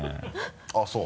あぁそう？